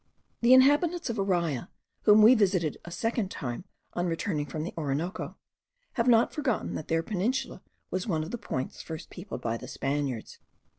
The inhabitants of Araya, whom we visited a second time on returning from the Orinoco, have not forgotten that their peninsula was one of the points first peopled by the Spaniards.